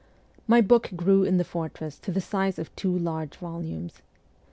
My book grew in the fortress to the size of two large volumes.